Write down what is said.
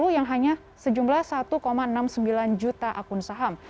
yang hanya sejumlah satu enam puluh sembilan juta akun saham